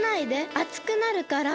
あつくなるから。